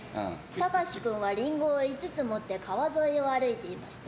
タカシ君はリンゴを５つ持って川沿いを歩いていました。